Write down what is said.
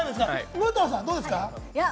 武藤さん、どうですか？